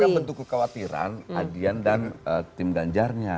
ini kan bentuk kekhawatiran adian dan tim ganjarnya